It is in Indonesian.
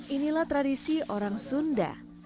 inilah tradisi orang sunda